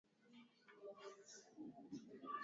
Uhamisho huo ulikuwa na athari mbaya kwa